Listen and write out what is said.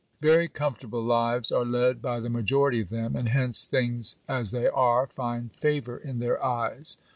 Very comfortable lives are led by the majority of them, and hence " things as they are" find favour in their eyes.